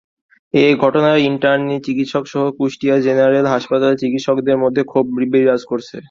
এ ঘটনায় ইন্টার্নি চিকিৎসকসহ কুষ্টিয়া জেনারেল হাসপাতালের চিকিৎসকদের মধ্যে ক্ষোভ বিরাজ করছে।